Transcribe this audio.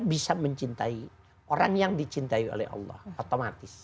bisa mencintai orang yang dicintai oleh allah otomatis